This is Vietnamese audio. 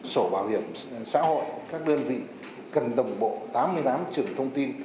sổ bảo hiểm xã hội các đơn vị cần đồng bộ tám mươi tám trưởng thông tin